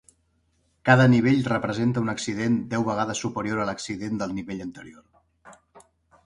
Cada nivell representa un accident deu vegades superior a l'accident del nivell anterior.